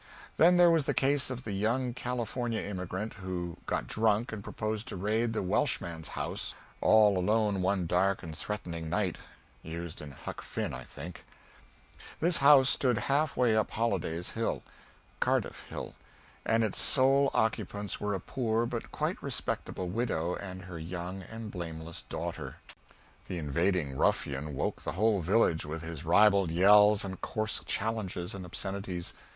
Then there was the case of the young California emigrant who got drunk and proposed to raid the "Welshman's house" all alone one dark and threatening night. This house stood half way up Holliday's Hill ("Cardiff" Hill), and its sole occupants were a poor but quite respectable widow and her young and blameless daughter. The invading ruffian woke the whole village with his ribald yells and coarse challenges and obscenities.